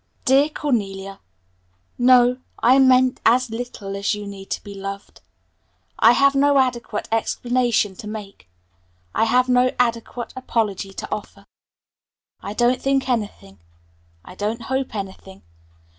"DEAR CORNELIA: "No, I meant 'as little' as you need to be loved. I have no adequate explanation to make. I have no adequate apology to offer. I don't think anything. I don't hope anything.